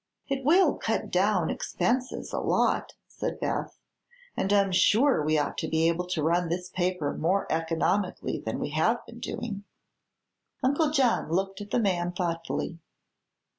"It will cut down expenses a lot," said Beth, "and I'm sure we ought to be able to run this paper more economically than we have been doing." Uncle John looked at the man thoughtfully.